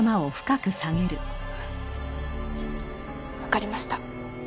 分かりました。